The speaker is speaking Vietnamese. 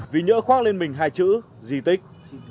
vì nhỡ khoác lên mình hai chữ dì tích